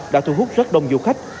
đã thu hút rất đông du khách